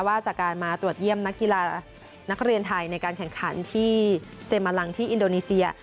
ว่าจากการมาตรวจเยี่ยมนักกีฬานักเรียนไทยในการแข่งขันที่เซมาลังที่อินโดนีเซีย